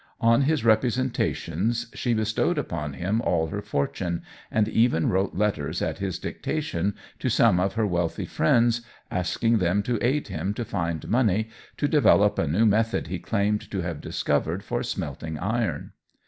On his representations she bestowed upon him all her fortune, and even wrote letters at his dictation to some of her wealthy friends, asking them to aid him to find money to develop a new method he claimed to have discovered for smelting iron.